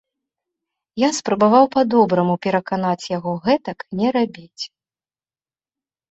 Я спрабаваў па-добраму пераканаць яго гэтак не рабіць.